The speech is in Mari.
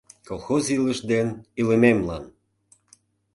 Колхоз илыш ден илымемлан!